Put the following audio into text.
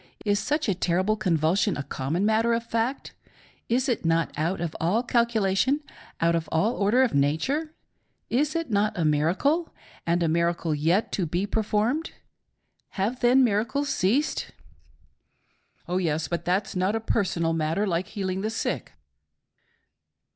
Is such a terrible convulsion a common matter of fact. Is it not out of all calculation, out of "all order of nature? Is it tiot a miracle — and a miracle yet to be performed. — Have then miracles ceased } L. P. : Oh yes ; but that's not a personal matter like heal ing the sick.